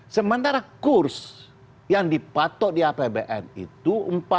sementara kurs yang dipatok di apbn itu empat belas tiga ratus lima puluh